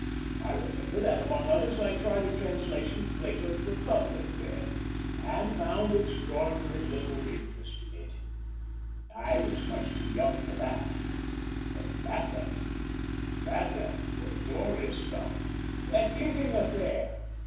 I remember that among others I tried a translation of Plato's "Republic" then, and found extraordinarily little interest in it; I was much too young for that; but "Vathek"—"Vathek" was glorious stuff. That kicking affair!